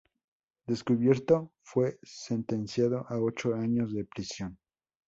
Descubierto, fue sentenciado a ocho años de prisión.